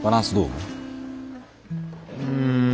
うん。